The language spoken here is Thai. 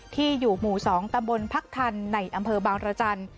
ที่อยู่หมู่๒ตำบลพักทันในอำเภอบางรจันทร์